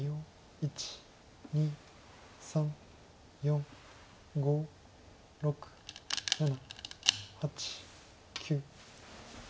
１２３４５６７８９。